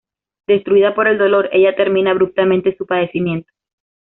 Destruida por el dolor, ella termina abruptamente su padecimiento.